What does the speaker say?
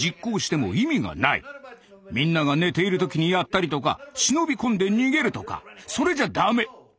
みんなが寝ている時にやったりとか忍び込んで逃げるとかそれじゃ駄目。